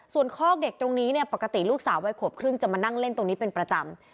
ส่วนคอกเด็กตรงนี้เนี่ยปกติลูกสาววัยขวบครึ่งจะมานั่งเล่นตรงนี้เป็นประจำ